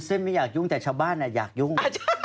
ไม่อยากยุ่งแต่ชาวบ้านอยากยุ่ง